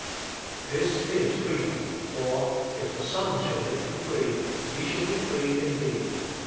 This is freedom; for, "If the Son shall make you free, ye shall be free indeed."